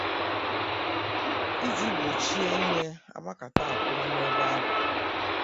iji gbochie inwe agbakata akwụrụ n'ebe ahụ.